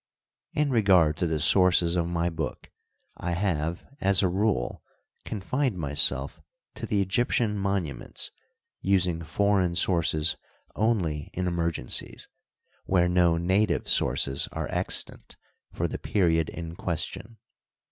In regard to the sources of my book, I have, as a rule, Digitized byCjOOQlC 4 PREFACE, confined myself to the Egyptian monuments, using foreign sources only in emergencies, where no native sources are extant for the period in question.